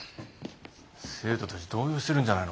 生徒たち動揺してるんじゃないのか？